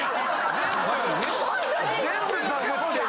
全部パクってる！